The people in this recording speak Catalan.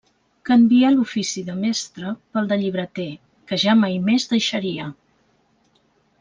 Canvia l'ofici de mestre pel de llibreter, que ja mai més deixaria.